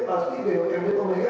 paku iman pembah